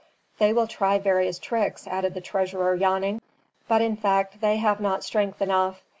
"They will try various tricks," added the treasurer, yawning; "but in fact they have not strength enough.